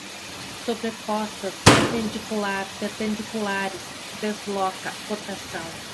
sobrepostas, perpendicular, perpendiculares, desloca, rotação